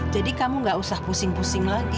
jadi kamu gak usah pusing pusing lagi